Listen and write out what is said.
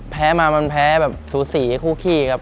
แพ้มามันแพ้แบบสูสีคู่ขี้ครับ